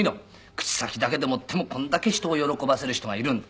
口先だけでもってもこれだけ人を喜ばせる人がいるんだ」。